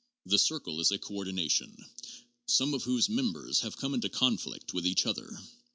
The circle is a coordination, some of whose members have come into conflict with each other.